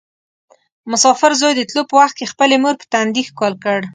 مسافر زوی د تلو په وخت کې خپلې مور په تندي ښکل کړ.